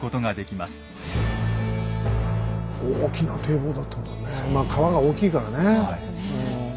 まあ川が大きいからね。